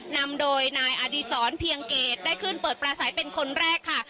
นำโดยนายอดีศรเพียงเกตได้ขึ้นเปิดประสัยเป็นคนแรกค่ะ